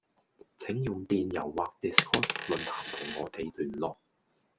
請用電郵或 Discourse 論壇同我地聯絡